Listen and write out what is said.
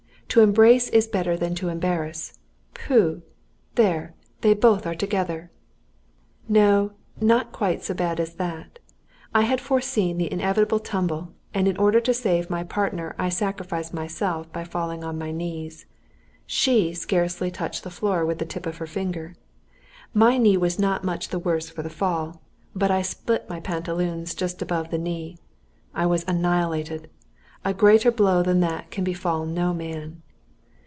To embrace is better than to embarrass. Pooh! There, they both are together!"] No, not quite so bad as that! I had foreseen the inevitable tumble, and in order to save my partner I sacrificed myself by falling on my knees, she scarcely touched the floor with the tip of her finger. My knee was not much the worse for the fall, but I split my pantaloons just above the knee. I was annihilated. A greater blow than that can befall no man.